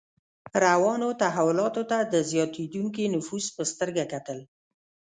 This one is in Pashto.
روانو تحولاتو ته د زیاتېدونکي نفوذ په سترګه کتل.